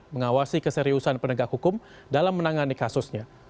mengawasi keseriusan penegak hukum dalam menangani kasusnya